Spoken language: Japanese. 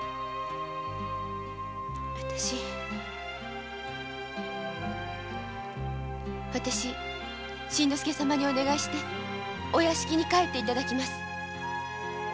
私私真之介様にお願いしてお屋敷に帰って頂きます。